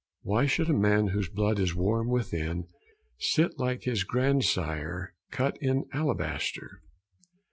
Why should a man whose blood is warm within Sit like his grandsire cut in alabaster?